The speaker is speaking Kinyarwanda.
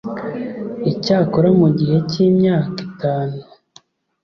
Icyakora mu gihe cy imyaka itanu